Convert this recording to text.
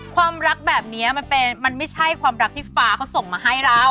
ความรักแบบนี้มันไม่ใช่ความรักที่ฟ้าเขาส่งมาให้เรา